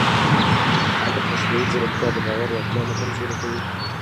ایا مصنوعي ځیرکتیا د باور وړتیا نه کمزورې کوي؟